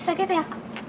eh sakit ya